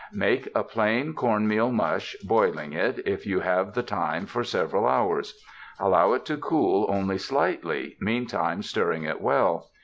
Make a plain corn meal mush, boiling it, if you have the time, for several hours. Allow it to cool only slightly, meantime stirring it well.